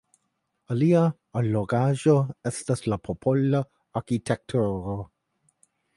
Alia allogaĵo estas la popola arkitekturo.